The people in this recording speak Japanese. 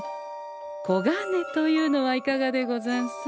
こがねというのはいかがでござんす？